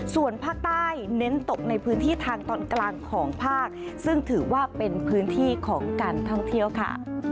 ส่วนภาคใต้เน้นตกในพื้นที่ทางตอนกลางของภาคซึ่งถือว่าเป็นพื้นที่ของการท่องเที่ยวค่ะ